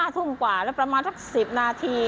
ทุ่มกว่าแล้วประมาณสัก๑๐นาที